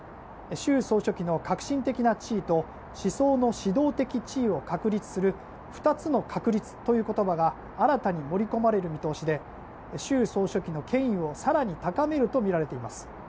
習総書記の核心的な地位と思想の指導的地位を確立する二つの確立という言葉が新たに盛り込まれる見通しで習総書記の権威を更に高めるとみられています。